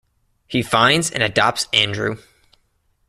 He finds and adopts Andrew.